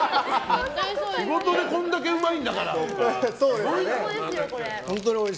仕事でこれだけうまいんだから。